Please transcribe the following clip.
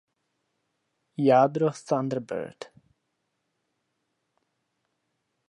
Jádro Thunderbird.